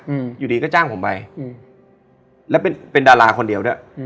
อืมอยู่ดีก็จ้างผมไปอืมแล้วเป็นเป็นดาราคนเดียวด้วยอืม